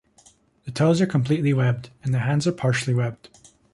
The toes are completely webbed, and the hands are partially webbed.